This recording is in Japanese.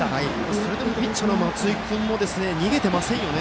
それでもピッチャーの松井君も逃げていませんね。